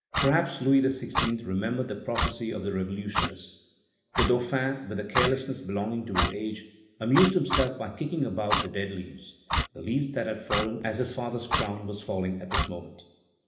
Perhaps Louis XVI. remembered the prophecy of the revolutionist; the Dauphin, with the carelessness belonging to his age, amused himself by kicking about the dead leaves, the leaves that had fallen as his father's crown was falling at this moment.